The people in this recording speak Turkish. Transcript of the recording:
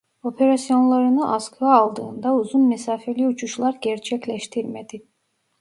Operasyonlarını askıya aldığında uzun mesafeli uçuşlar gerçekleştirmedi.